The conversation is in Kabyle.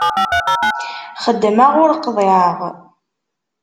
Xeddmeɣ ur qḍiɛeɣ.